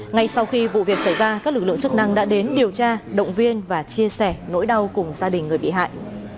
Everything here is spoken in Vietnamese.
ngay sau khi vụ việc xảy ra các lực lượng chức năng đã đến điều tra động viên và chia sẻ nỗi đau cùng gia đình người bị hại